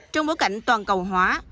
trong bối cảnh toàn cầu hóa